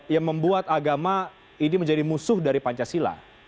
yang membuat agama ini menjadi musuh dari pancasila